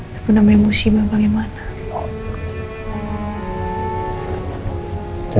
tapi namanya musibah bagaimana